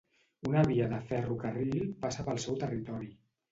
Una via de ferrocarril passa pel seu territori.